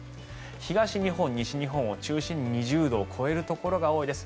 東日本、西日本を中心に２０度を超えるところが多いです。